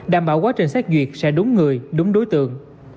đảm bảo quá trình xét duyệt sẽ đúng người đúng đối tượng